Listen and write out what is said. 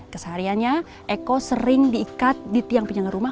kesehariannya eko sering diikat di tiang pinjangan rumah